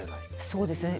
そうですね。